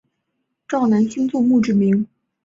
赵南星作墓志铭。